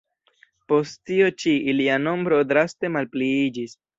Post tio ĉi, ilia nombro draste malpliiĝis.